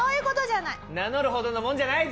名乗るほどの者じゃないと。